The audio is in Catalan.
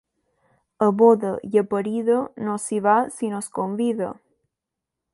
A boda i a parida, no s'hi va si no es convida.